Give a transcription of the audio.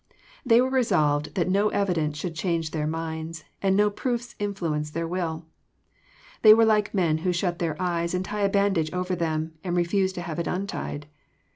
They were resolved that no evidence should change their minds, and no proofs influence their will. They were like men who shut their eyes and tie a bandage over them, and refuse to have it untied.